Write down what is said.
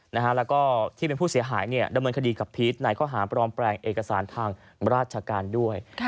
แล้วก็ที่เป็นผู้เสียหายดำเนินคดีกับพีชในข้อหาปลอมแปลงเอกสารทางราชการด้วย